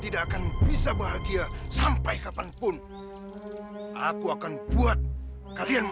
tidak saya tak bisa berjuang daripada bond yang padahal kakak saya tuang selaierungsya